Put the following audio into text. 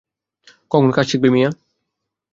কখন কাজ শিখবে মিয়া?